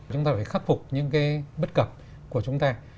chúng ta phải khắc phục những cái bất cập của chúng ta